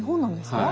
はい。